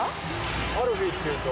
アルフィーっていうと。